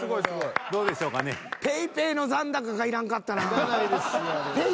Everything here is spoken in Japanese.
いらないです。